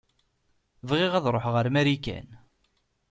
Bɣiɣ ad ṛuḥeɣ ar Marikan.